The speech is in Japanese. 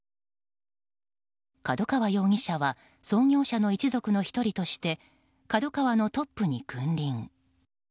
角川容疑者は創業者の一族の１人としてＫＡＤＯＫＡＷＡのトップに君臨。